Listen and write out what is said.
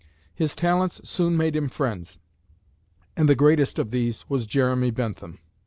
His talents soon made him friends, and the greatest of these was Jeremy Bentham.